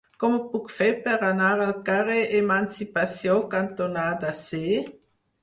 Com ho puc fer per anar al carrer Emancipació cantonada C?